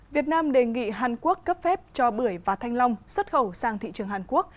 việt nam đề nghị hàn quốc cấp phép cho bưởi và thanh long xuất khẩu sang thị trường hàn quốc